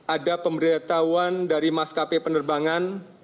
ada pemberitahuan dari maskapai penerbangan